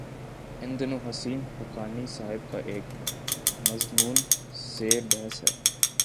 ان دنوں حسین حقانی صاحب کا ایک مضمون زیر بحث ہے۔